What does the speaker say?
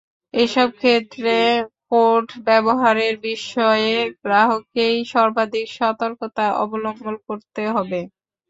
এসব ক্ষেত্রে কার্ড ব্যবহারের বিষয়ে গ্রাহককেই সর্বাধিক সতর্কতা অবলম্বন করতে হবে।